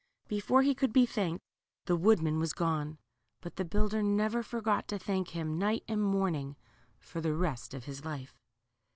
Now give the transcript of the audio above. Before he could be thanked the wood man was gone, but the builder never forgot to thank him night and morning, for the rest of his life.